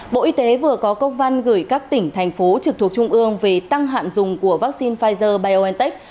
bộ y tế vừa có công văn gửi các tỉnh thành phố trực thuộc trung ương về tăng hạn dùng của vaccine pfizer biontech